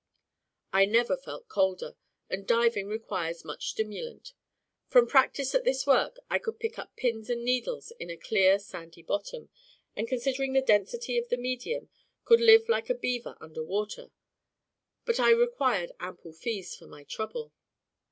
I never felt colder, and diving requires much stimulant. From practice at this work, I could pick up pins and needles in a clear, sandy bottom; and, considering the density of the medium, could live like a beaver under water; but I required ample fees for my trouble.